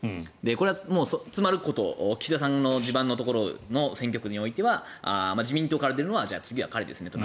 これはつまるところ岸田さんの地盤の選挙区においては自民党から出るのは次は彼ですねと。